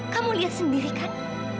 kamu lihat sendiri kan